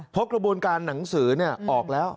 พกระบวนการหนังสือเนี่ยออกแล้ว